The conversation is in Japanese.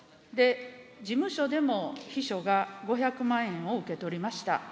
事務所でも秘書が５００万円を受け取りました。